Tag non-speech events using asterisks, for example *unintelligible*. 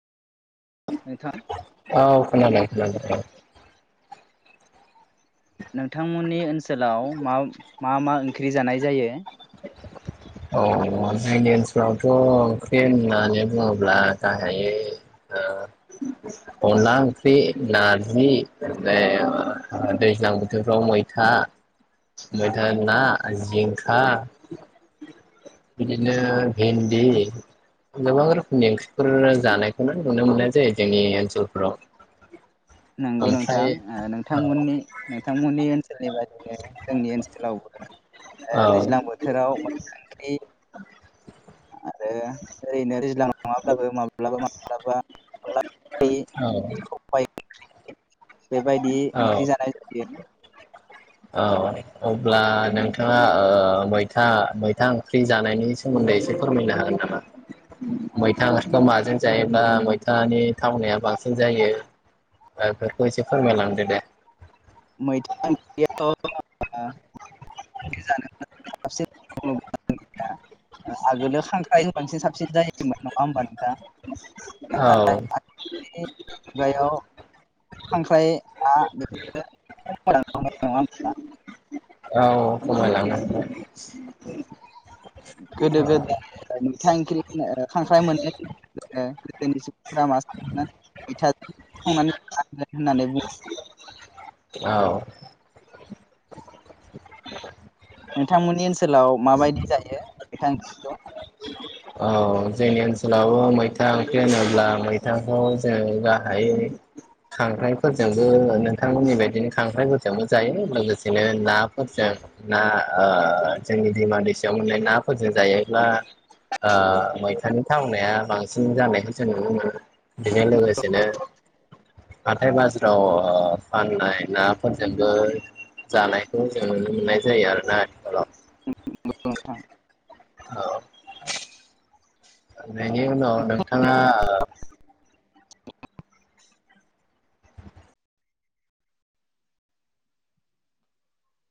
*unintelligible* औ खोनादों खोनादों खोनादों नोंथांमोननि ओनसोलाव म मा मा ओंख्रि जानाय जायो औ जोंनि ओनसोलावथ ओंख्रि होननानै बुङोब्ला गाहायै ओ अनला ओंख्रि नारजि ओमफ्राय दैज्लां बोथोरफ्राव मैथा मैथा ना जिंखा बिदिनो भेन्दि गोबां रोखोमनि ओंख्रिफोर जानायखौनो नुनो मोननाय जायो जोंनि ओनसोलफोराव नंगौ ओमफ्राय नोंथां नोंथांमोननि औ नोंथांमोननि ओनसोलनि बायदिनो जोंनि ओनसोलावबो औ ओ दैज्लां बोथोराव *unintelligible* *inaudible* आरो ओरैनो दैज्लां नङाब्लाबो माब्लाबा माब्लाबा अनला *unintelligible* औ सबाइ *inaudible* बेबायदि औ ओंख्रि जानाय जायो औ अब्ला नोंथाङा ओ मैथा मैथा ओंख्रि जानायनि सोमोन्दै एसे फोरमायनो हागोन नामा मैथा ओंख्रिखौ माजों जायोब्ला मैथानि थावनाया बांसिन जायो बेफोरखौ एसे फोरमायलांदो दे मैथा ओंख्रैयाथ ओ ज *unintelligible* से *unintelligible* ओ आगो लोलो खांख्राय बांसिन साबसिन जायोमोन नङा होमबा नोंथां? नाथाय औ *unintelligible* खांख्राय आ बेफोर खमाय लांनो हमबाय नंङा होमबा? औ खमाय लांनो हमबाय गोदो गोदाय था ओंख्रि होनना ओ खांख्राइ मोननाय ओ गोदोनि सुबुंफोरा मा सानो मैथाजों जागोन होननानै बुंङो औ नोंथांमोननि ओनसोलाव माबायदि जायो मैथा ओंख्रिखौ? औ जोंनि ओनसोलाव मैथा ओंख्रि होनोब्ला मैथाखौ जों गाहायै खांख्राइफोरजोंबो नोंथांमोननि बायदिनो खांख्राइफोरजोंबो जायो लोगोसेनो नाफोरजों ना ओ ना जोंनि दैमा दैसायाव मोननाय नाफोरजों जायोब्ला आ मैथानि थावनाया बांसिन जानायखौ जों नुनो मोनो। बिजों लोगोसेनो हाथाय बाजाराव ओ फाननाय नाफोरजोंबो जानायखौ जों नुनो मोननाय जायो आरोना आथिखालाव नंगौ नोंथां। मोन्नाय नि उनाव नोंथाङा ओ